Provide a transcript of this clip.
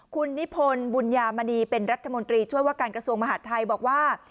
คุณนิพนธ์บุญญามณีเป็นรัฐมนตรีช่วยว่าการกระทรวงมหาดไทยบอกว่า